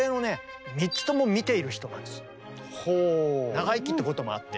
長生きってこともあって。